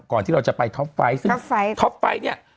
ที่เราจะไปท็อปไฟต์ซึ่งท็อปไฟต์เนี่ย